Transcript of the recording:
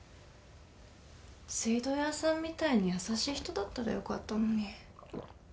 水道屋さんみたいに優しい人だったらよかったのに。